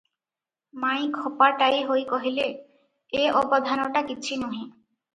ମାଇଁ ଖପାଟାଏ ହୋଇ କହିଲେ, "ଏ ଅବଧାନଟା କିଛି ନୁହେ ।